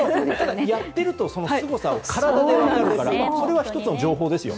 やっているとそのすごさが体で分かるからそれも１つの情報です。